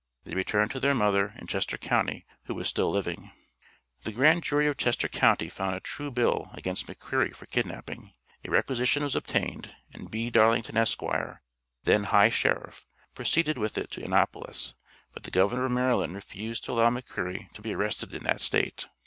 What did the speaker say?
They returned to their mother, in Chester county, who was still living. The Grand Jury of Chester county found a true bill against McCreary for kidnapping, a requisition was obtained, and B. Darlington, Esq., then High Sheriff, proceeded with it to Annapolis; but the Governor of Maryland refused to allow McCreary to be arrested in that State.